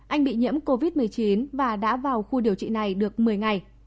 anh bị nhiễm covid một mươi chín và đã vào khu điều trị này được một mươi ngày